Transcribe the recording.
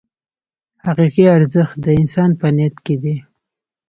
حقیقي ارزښت د انسان په نیت کې دی.